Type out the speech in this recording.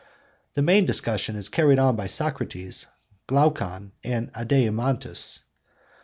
The main discussion is carried on by Socrates, Glaucon, and Adeimantus.